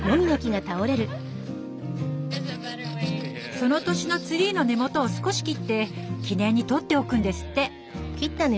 その年のツリーの根元を少し切って記念に取っておくんですって。